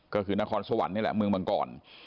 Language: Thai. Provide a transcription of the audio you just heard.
ก็คือนครสวรรค์นี่แหละเมืองมังกร